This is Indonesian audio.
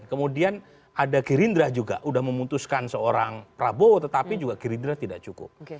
kemudian ada gerindra juga sudah memutuskan seorang prabowo tetapi juga gerindra tidak cukup